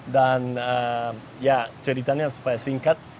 dan ya ceritanya supaya singkat